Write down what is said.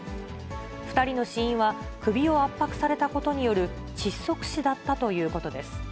２人の死因は、首を圧迫されたことによる窒息死だったということです。